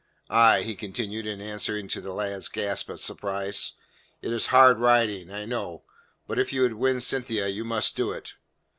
Aye," he continued, in answer to the lad's gasp of surprise, "it is hard riding, I know, but if you would win Cynthia you must do it.